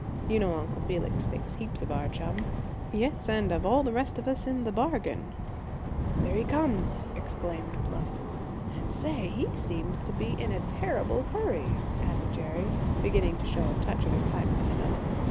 You know Uncle Felix thinks heaps of our chum; yes, and of all the rest of us in the bargain." "There he comes!" exclaimed Bluff. "And, say, he seems to be in a terrible hurry," added Jerry, beginning to show a touch of excitement himself.